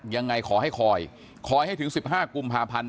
ยังไงขอให้คอยคอยให้ถึง๑๕กุมภาพันธ์